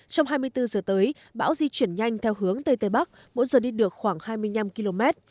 trong hai mươi bốn giờ tới bão di chuyển nhanh theo hướng tây tây bắc mỗi giờ đi được khoảng hai mươi năm km